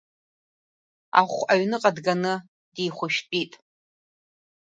Ахәы аҩныҟа дганы дихәшәтәит.